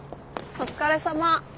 お疲れさまです。